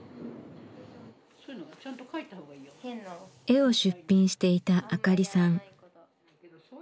絵を出品していたあかりさん。